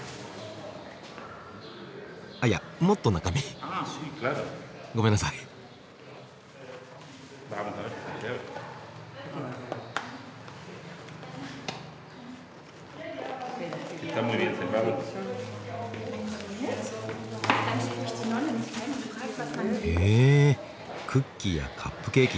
いやもっと中身ごめんなさい。へクッキーやカップケーキ。